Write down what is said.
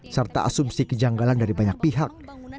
serta asumsi kejanggalan dari banyak pihak